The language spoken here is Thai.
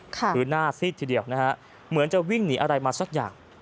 คือหน้าซีดทีเดียวนะฮะเหมือนจะวิ่งหนีอะไรมาสักอย่าง